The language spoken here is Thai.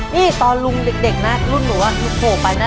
นี่ตอนลุงเด็กลุ่นหนูพอไปนะ